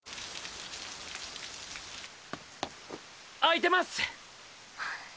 空いてます！